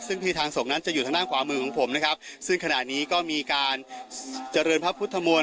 ซึ่งที่ทางศพนั้นจะอยู่ทางด้านขวามือของผมนะครับซึ่งขณะนี้ก็มีการเจริญพระพุทธมนตร์